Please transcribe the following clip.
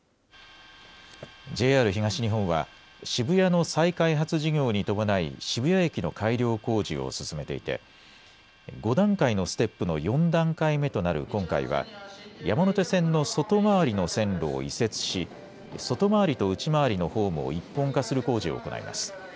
ＪＲ東日本は、渋谷の再開発事業に伴い、渋谷駅の改良工事を進めていて、５段階のステップの４段階目となる今回は、山手線の外回りの線路を移設し、外回りと内回りのホームを一本化する工事を行います。